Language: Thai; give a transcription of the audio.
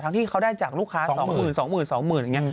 ที่เขาได้จากลูกค้า๒๐๐๒๐๐๐อย่างนี้